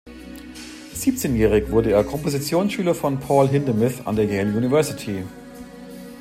Siebzehnjährig wurde er Kompositionsschüler von Paul Hindemith an der Yale University.